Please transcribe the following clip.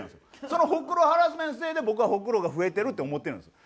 そのホクロハラスメントのせいで僕はホクロが増えてるって思ってるんですよ。